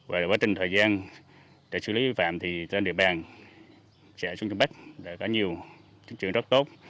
và là quá trình thời gian để xử lý vi phạm thì trên địa bàn sẽ ở trung bắc đã có nhiều chứng chứng rất tốt